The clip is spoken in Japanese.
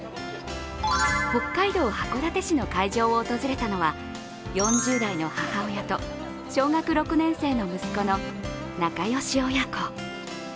北海道函館市の会場を訪れたのは４０代の母親と小学６年生の息子の仲良し親子。